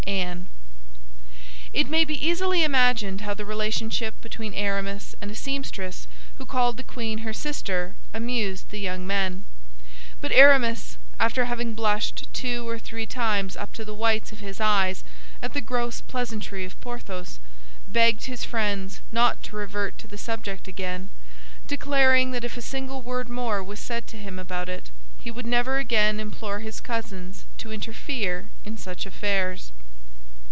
"ANNE" It may be easily imagined how the relationship between Aramis and a seamstress who called the queen her sister amused the young men; but Aramis, after having blushed two or three times up to the whites of his eyes at the gross pleasantry of Porthos, begged his friends not to revert to the subject again, declaring that if a single word more was said to him about it, he would never again implore his cousins to interfere in such affairs.